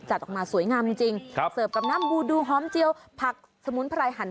จัดออกมาสวยงามจริงจริงครับเสิร์ฟกับน้ำบูดูหอมเจียวผักสมุนไพรหั่น